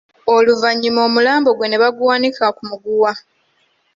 Oluvannyuma omulambo gwe ne baguwanika ku muguwa.